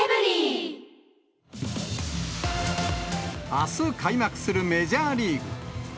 あす開幕するメジャーリーグ。